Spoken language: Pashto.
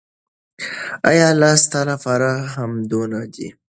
اې الله ! ستا لپاره حمدونه دي